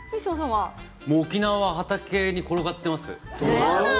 沖縄は畑に転がっています。